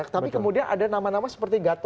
tapi kemudian ada nama nama seperti gatot